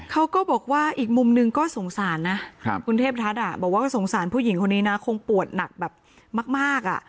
เขาก็บอกว่าอีกมุมหนึ่งก็สงสารนะคุณเทพทัศน์บอกว่าก็สงสารผู้หญิงคนนี้นะคงปวดหนักแบบมากอ่ะ